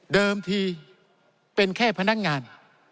ทีเป็นแค่พนักงาน